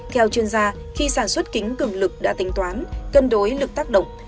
theo chuyên gia khi sản xuất kính cường lực đã tính toán cân đối lực tác động